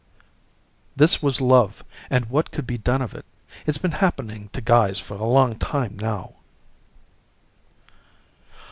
Francis_ This was love, and what could be done about it? It's been happening to guys for a long time, now.